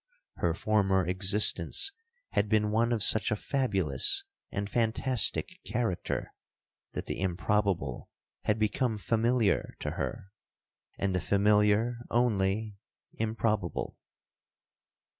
Her former existence had been one of such a fabulous and fantastic character, that the improbable had become familiar to her,—and the familiar only, improbable.